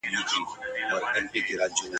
وروڼه ئې د خپل شوم پلان په اساس څاه ته راغلل.